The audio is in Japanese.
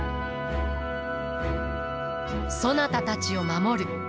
そなたたちを守る。